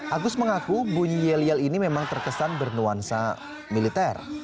agus mengaku bunyi yelial ini memang terkesan bernuansa militer